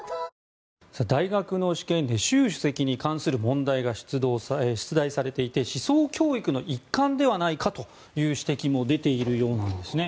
大学の試験で習主席に関する問題が出題されていて思想教育の一環ではないかという指摘も出ているようなんです。